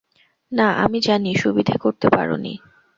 না, আমি জানি, সুবিধে করতে পার নি।